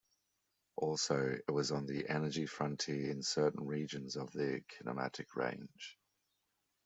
Also, it was on the energy frontier in certain regions of the kinematic range.